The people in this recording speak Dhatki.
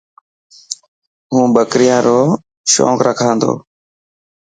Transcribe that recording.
مون ٻڪريان رو شونق رکا تو.